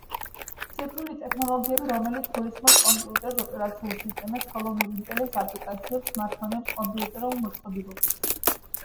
ციფრული ტექნოლოგიები, რომელიც გულისხმობს კომპიუტერს, ოპერაციულ სისტემებს, ხელოვნურ ინტელექტს, აპლიკაციებს, სმარტფონებს, კომპიუტერულ მოწყობილობებს.